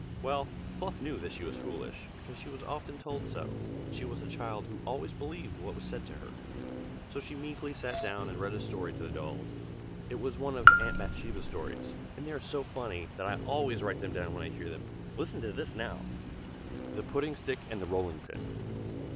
Well, Fluff knew that she was foolish, because she was often told so, and she was a child who always believed what was said to her, so she meekly sat down and read a story to the dolls. It was one of "Aunt Bathsheba's" stories, and they are so funny that I always write them down when I hear them. Listen to this, now! _THE PUDDING STICK AND THE ROLLING PIN.